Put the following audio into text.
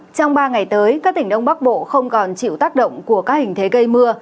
trong ba ngày tới các tỉnh đông bắc bộ không còn chịu tác động của các hình thế gây mưa